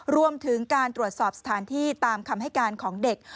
รวมถึงการตรวจสอบสถานที่ตามคำให้การของเด็ก